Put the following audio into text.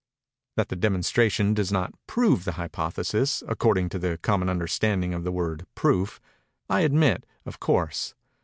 That the demonstration does not prove the hypothesis, according to the common understanding of the word "proof," I admit, of course.